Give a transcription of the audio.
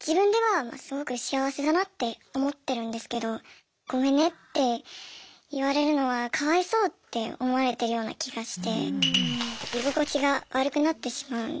自分ではすごく幸せだなって思ってるんですけど「ごめんね」って言われるのはかわいそうって思われてるような気がして居心地が悪くなってしまうんで。